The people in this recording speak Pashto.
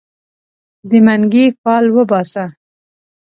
د منګې فال وباسه